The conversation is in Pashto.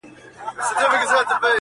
ډېري سترگي به كم كمي له سرونو٫